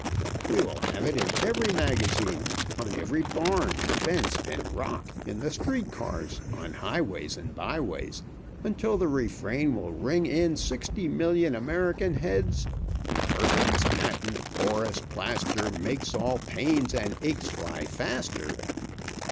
We will have it in every magazine, on every barn, fence, and rock, in the street cars, on highways and byways, until the refrain will ring in sixty million American heads "'Perkins's Patent Porous Plaster Makes all pains and aches fly faster."